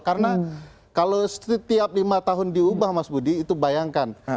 karena kalau setiap lima tahun diubah mas budi itu bayangkan